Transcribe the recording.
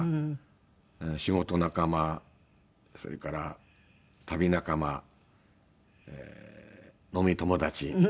仕事仲間それから旅仲間飲み友達。